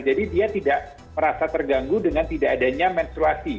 jadi dia tidak merasa terganggu dengan tidak adanya menstruasi